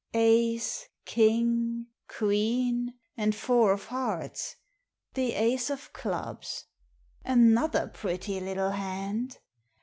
Ace, king, queen, and four of hearts, the ace of clubs — another pretty little hand!